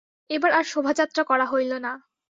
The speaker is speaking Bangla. এবার আর শোভাযাত্রা করা হইল না।